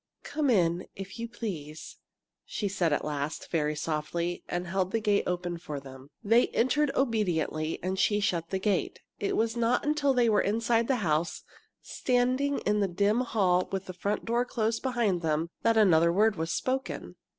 "Come in, if you please!" she said at last, very softly, and held the gate open for them. They entered obediently, and she shut the gate. It was not until they were inside the house, standing in the dim hall with the front door closed behind them, that another word was spoken.